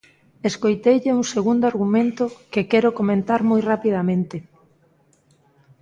Escoiteille un segundo argumento, que quero comentar moi rapidamente.